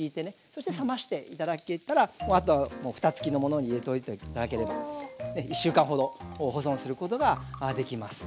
そして冷まして頂けたらあとはもう蓋つきのものに入れておいて頂ければ１週間ほど保存することができます。